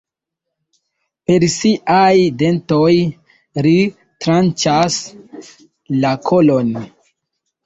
Per siaj dentoj, ri tranĉas la kolon.